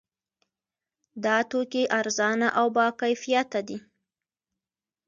دا توکي ارزانه او باکیفیته دي.